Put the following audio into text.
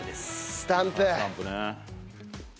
スタンプね。